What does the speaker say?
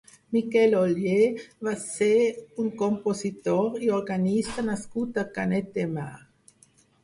Miquel Oller va ser un compositor i organista nascut a Canet de Mar.